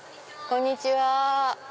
こんにちは。